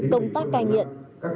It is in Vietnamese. công tác cai nghiện